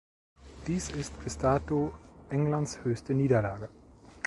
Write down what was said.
Dies ist bis dato Englands höchste Niederlage.